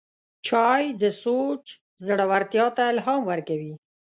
چای د سوچ ژورتیا ته الهام ورکوي